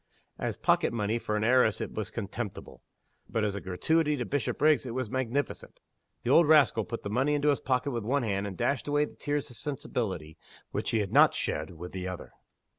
As pocket money for an heiress it was contemptible. But as a gratuity to Bishopriggs it was magnificent. The old rascal put the money into his pocket with one hand, and dashed away the tears of sensibility, which he had not shed, with the other.